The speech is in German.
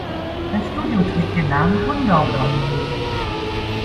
Sein Studio trägt den Namen "Wunderhorn Music".